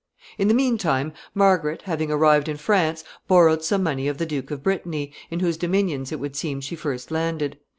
] In the mean time, Margaret, having arrived in France, borrowed some money of the Duke of Brittany, in whose dominions it would seem she first landed.